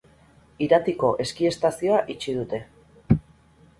Iratiko ski estazioa itxi dute.